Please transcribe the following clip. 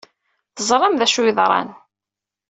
Teẓramt d acu ay yeḍran.